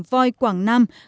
voi quảng nam